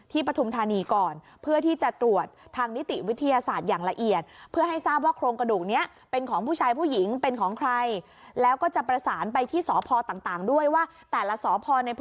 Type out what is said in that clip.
ที่ประธุมธานีกรเพื่อที่จะตรวจทางนิติวิทยาศาสตร์อย่างละเอียด